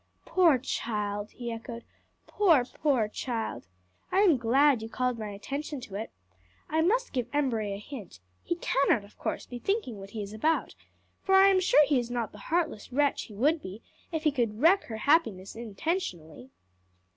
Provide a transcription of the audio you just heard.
"Poor child!" he echoed; "poor, poor child! I am glad you called my attention to it. I must give Embury a hint: he cannot, of course, be thinking what he is about: for I am sure he is not the heartless wretch he would be if he could wreck her happiness intentionally."